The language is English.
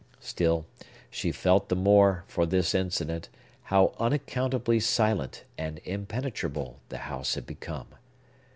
Still, she felt the more, for this incident, how unaccountably silent and impenetrable the house had become.